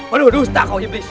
aduh dusta kau iblis